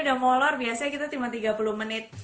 udah molor biasanya kita cuma tiga puluh menit